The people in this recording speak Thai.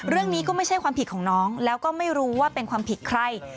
เรื่องนี้ก็ไม่ใช่ความผิดของน้องแล้วก็ไม่รู้ว่าเป็นความผิดใคร